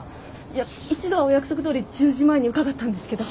いや一度はお約束どおり１０時前に伺ったんですけど。